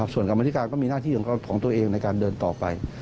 ส่วนกรรมธิการก็มีหน้าที่ของตัวเองในการเดินต่อไป